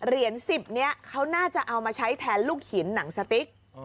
เหรียญ๑๐นี้เขาน่าจะเอามาใช้แทนลูกหินหนังสติ๊ก